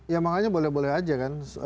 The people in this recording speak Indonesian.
ya makanya boleh boleh aja kan